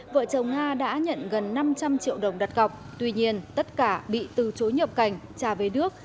vợ chồng nga đã nhận gần năm trăm linh triệu đồng đặt cọc tuy nhiên tất cả bị từ chối nhập cảnh trả về nước